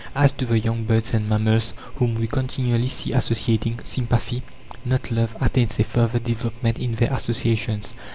As to the young birds and mammals whom we continually see associating, sympathy not love attains a further development in their associations.